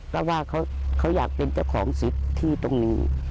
ก็ว่าเขาอยากเป็นเจ้าของศิษย์ที่ตรงนี้